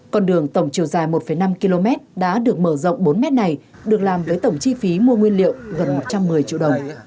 con đường tổng chiều dài một năm km đã được mở rộng bốn mét này được làm với tổng chi phí mua nguyên liệu gần một trăm một mươi triệu đồng